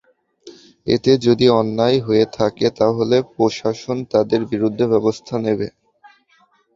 এতে যদি অন্যায় হয়ে থাকে তাহলে প্রশাসন তাঁদের বিরুদ্ধে ব্যবস্থা নেবে।